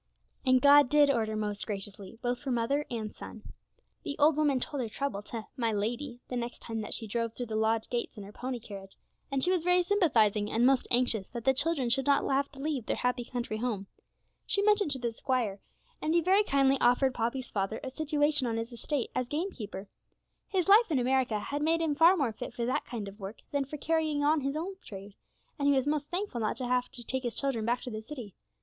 And God did order most graciously, both for mother and son. The old woman told her trouble to 'my lady,' the next time that she drove through the lodge gates in her pony carriage, and she was very sympathising, and most anxious that the children should not have to leave their happy country home. She mentioned it to the squire, and he very kindly offered Poppy's father a situation on his estate as gamekeeper. His life in America had made him far more fit for that kind of work than for carrying on his old trade, and he was most thankful not to have to take his children back to the city.